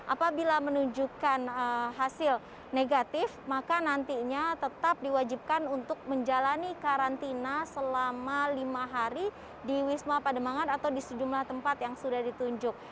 apabila menunjukkan hasil negatif maka nantinya tetap diwajibkan untuk menjalani karantina selama lima hari di wisma pademangan atau di sejumlah tempat yang sudah ditunjuk